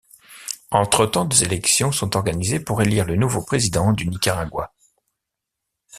Entre-temps des élections sont organisées pour élire le nouveau président du Nicaragua.